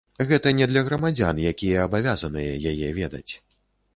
Гэта не для грамадзян, якія абавязаныя яе ведаць.